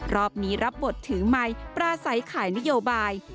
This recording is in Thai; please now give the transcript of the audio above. รอบนี้รับบทถือใหม่ประไสขายนโยบาย